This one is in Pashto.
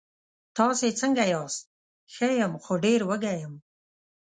تاسې څنګه یاست؟ ښه یم، خو ډېر وږی یم.